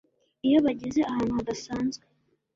iyo bageze ahantu hadasanzwe,